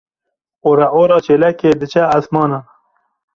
Oreora çêlekê diçe esmanan.